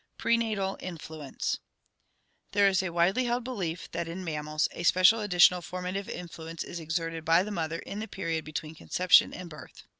Prenatal Influence. — There is a widely held belief that in mam mals a special additional formative influence is exerted by the mother in the period between conception and birth.